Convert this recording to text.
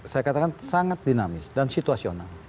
saya katakan sangat dinamis dan situasional